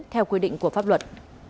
theo quy định của pháp luật